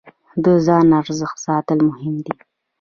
د ځان ارزښت ساتل مهم دی.